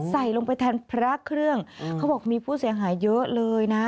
ใส่ลงไปแทนพระเครื่องเขาบอกมีผู้เสียหายเยอะเลยนะ